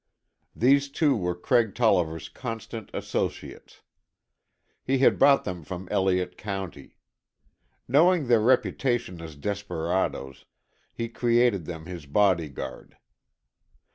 These two were Craig Tolliver's constant associates. He had brought them from Elliott County. Knowing their reputation as desperadoes, he created them his body guard.